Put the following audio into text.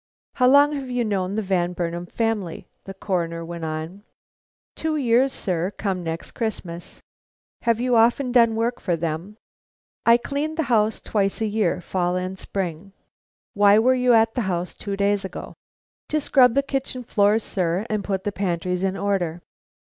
"How long have you known the Van Burnam family?" the Coroner went on. "Two years, sir, come next Christmas." "Have you often done work for them?" "I clean the house twice a year, fall and spring." "Why were you at this house two days ago?" "To scrub the kitchen floors, sir, and put the pantries in order."